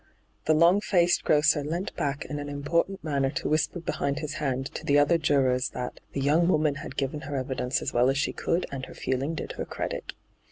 The long faced grocer leant back in an important manner to whisper behind his hand to the other jurors that ' the young woman had given her evidence as well as she could, and her feeling did her credit.'